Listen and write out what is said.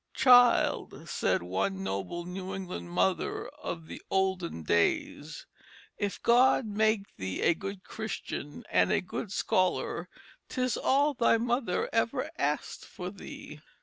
"Child," said one noble New England mother of the olden days, "if God make thee a good Christian and a good scholar, 'tis all thy mother ever asked for thee."